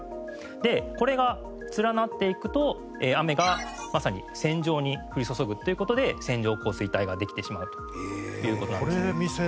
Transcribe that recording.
でこれが連なっていくと雨がまさに線状に降り注ぐっていう事で線状降水帯ができてしまうという事なんですね。